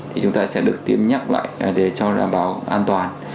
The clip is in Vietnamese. thì chúng ta sẽ được tiêm nhắc lại để cho đảm bảo an toàn